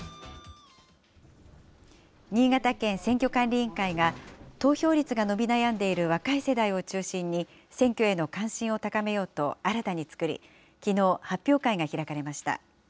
新潟県選挙管理委員会が、投票率が伸び悩んでいる若い世代を中心に、選挙への関心を高めようと新たに作り、きのう、発表会が開かれました。